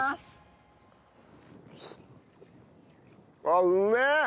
あっうめえ！